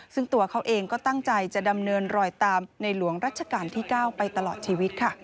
ซึ่งตัวเขาเองก็ตั้งใจจะดำเนินรอยตามในหลวงรัชกาลที่๙ไปตลอดชีวิตค่ะ